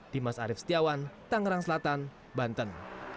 dimas arief setiawan tangerang selatan banten